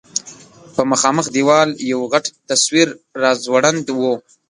په مخامخ دېوال یو غټ تصویر راځوړند و.